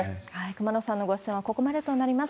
熊野さんのご出演はここまでとなります。